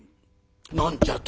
「何じゃと？